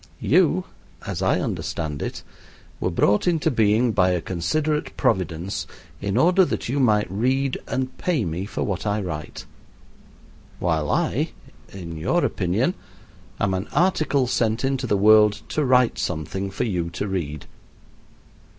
You, as I understand it, were brought into being by a considerate Providence in order that you might read and pay me for what I write; while I, in your opinion, am an article sent into the world to write something for you to read.